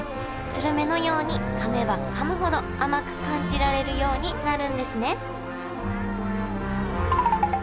するめのようにかめばかむほど甘く感じられるようになるんですね